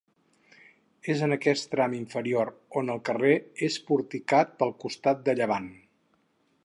És en aquest tram inferior on el carrer és porticat pel costat de llevant.